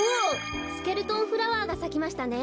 スケルトンフラワーがさきましたね。